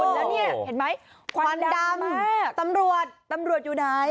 แล้วเนี่ยเห็นไหมควันดำตำรวจตำรวจอยู่ไหน